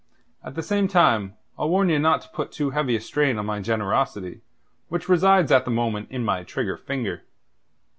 At the same time I'll warn ye not to put too heavy a strain on my generosity, which resides at the moment in my trigger finger.